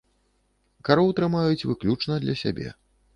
Кароў трымаюць выключна для сябе.